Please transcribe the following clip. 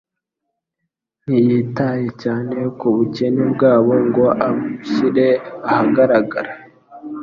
ntiyitaye cyane ku bukene bwabo ngo abushyire ahagaragara.